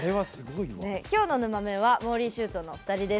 今日のぬまメンはもーりーしゅーとの２人です。